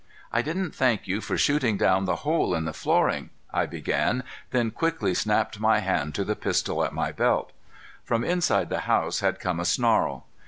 "I didn't thank you for shooting down the hole in the flooring " I began, then quickly snapped my hand to the pistol at my belt. From inside the house had come a snarl!